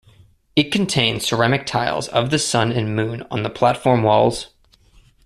It contains ceramic tiles of the sun and moon on the platform walls.